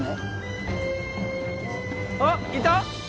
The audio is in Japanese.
あっいた？